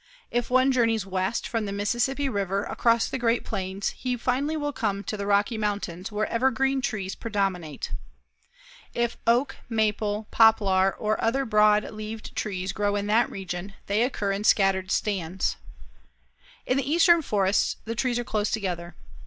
If one journeys west from the Mississippi River across the Great Plains he finally will come to the Rocky Mountains, where evergreen trees predominate. If oak, maple, poplar, or other broad leaved trees grow in that region, they occur in scattered stands. In the eastern forests the trees are close together.